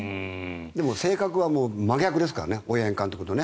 でも性格は真逆ですからね大八木監督とね。